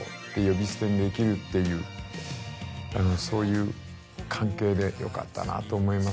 できるっていうそういう関係でよかったなと思います。